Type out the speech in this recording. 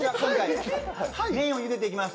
麺をゆでていきます